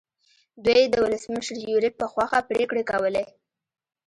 دوی د ولسمشر یوریب په خوښه پرېکړې کولې.